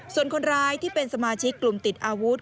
ส่วนคนร้ายที่เป็นสมาชิกกลุ่มติดอาวุธ